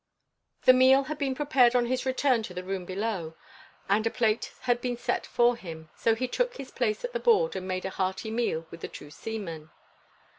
The meal had been prepared on his return to the room below, and a plate had been set for him, so he took his place at the board and made a hearty meal with the two seamen.